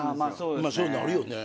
まあそうなるよね。